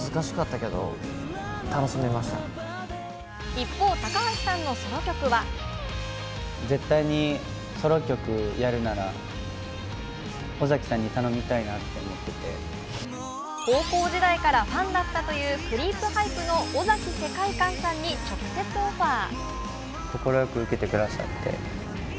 一方、高橋さんのソロ曲は高校時代からファンだったというクリープハイプの尾崎世界観さんに直接オファー。